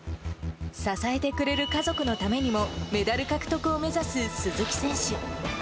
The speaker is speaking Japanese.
支えてくれる家族のためにも、メダル獲得を目指す鈴木選手。